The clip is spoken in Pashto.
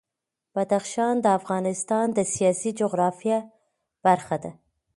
بدخشان د افغانستان د سیاسي جغرافیه برخه ده.